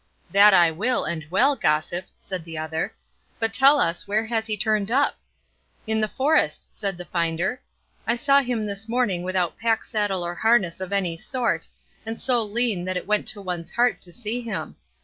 'That I will, and well, gossip,' said the other; 'but tell us, where has he turned up?' 'In the forest,' said the finder; 'I saw him this morning without pack saddle or harness of any sort, and so lean that it went to one's heart to see him.